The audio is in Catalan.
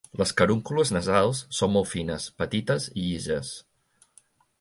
Les carúncules nasals són molt fines, petites i llises.